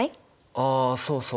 ああそうそう。